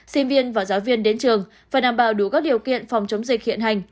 sinh viên và giáo viên đến trường phải đảm bảo đủ các điều kiện phòng chống dịch hiện hành